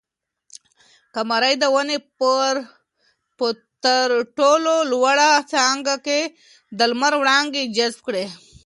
قمرۍ د ونې په تر ټولو لوړه څانګه کې د لمر وړانګې جذب کړې.